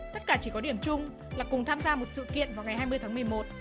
tất cả chỉ có điểm chung là cùng tham gia một sự kiện vào ngày hai mươi tháng một mươi một